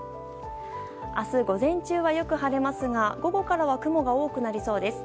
明日午前中はよく晴れますが午後からは雲が多くなりそうです。